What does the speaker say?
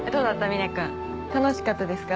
みね君楽しかったですか？